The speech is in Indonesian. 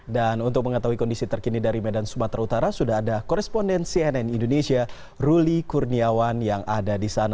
dan untuk mengetahui kondisi terkini dari medan sumatera utara sudah ada korespondensi cnn indonesia ruli kurniawan yang ada di sana